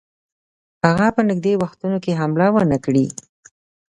هغه په نیژدې وختونو کې حمله ونه کړي.